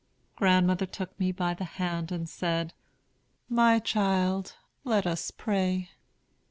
Grandmother took me by the hand and said, 'My child, let us pray.'